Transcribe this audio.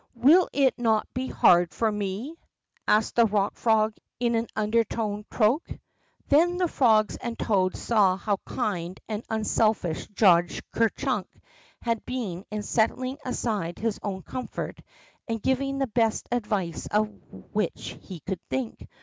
Will it not be hard for me ?" asked the Pock Frog in an undertone croak. Then the frogs and the toads saw how kind and unselfish Judge Ker Chunk had been in setting aside his own comfort, and giving the best advice of which he could think.